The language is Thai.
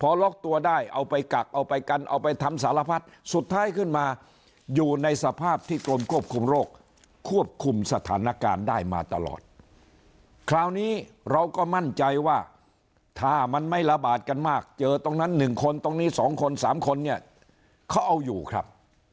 พอล็อกตัวได้เอาไปกักเอาไปกันเอาไปทำสารพัดสุดท้ายขึ้นมาอยู่ในสภาพที่กรมควบคุมโรคควบคุมสถานการณ์ได้มาตลอดคราวนี้เราก็มั่นใจว่าถ้ามันไม่ระบาดกันมากเจอตรงนั้น๑คนตรงนี้สองคนสามคนเนี่ยเขาเอาอยู่ครับ